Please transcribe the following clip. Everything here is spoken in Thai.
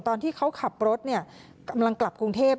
ตอนที่เขาขับรถกำลังกลับกรุงเทพ